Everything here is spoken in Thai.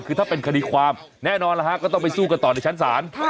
คือถ้าเป็นคดีความแน่นอนแล้วฮะก็ต้องไปสู้กันต่อในชั้นศาล